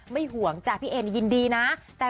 ห่วงจ้ะพี่เอยินดีนะ